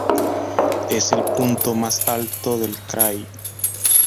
Es el punto más alto del krai.